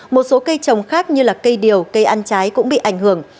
một số cây trồng khác như cây điều cây ăn trái cũng bị ảnh hưởng